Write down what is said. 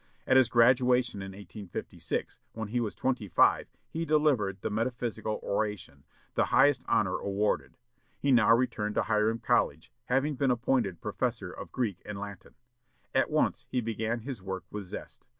At his graduation in 1856, when he was twenty five, he delivered the metaphysical oration, the highest honor awarded. He now returned to Hiram College, having been appointed professor of Greek and Latin. At once he began his work with zest.